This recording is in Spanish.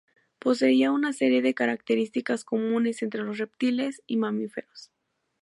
Poseía una serie de características comunes entre los reptiles y mamíferos.